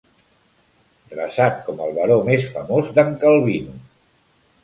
Dreçat com el baró més famós d'en Calvino.